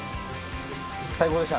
最高でした！